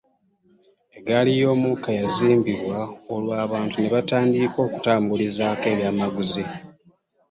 Eggali y'omukka yazimbibwa olwo abantu ne batandika okutambulizaako ebyamaguzi.